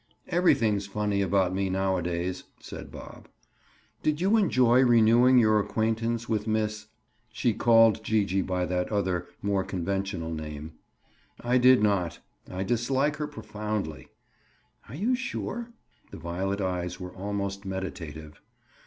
"Everything's funny about me, nowadays," said Bob. "Did you enjoy renewing your acquaintance with Miss ——?" She called Gee gee by that other, more conventional name. "I did not. I dislike her profoundly." "Are you sure?" The violet eyes were almost meditative.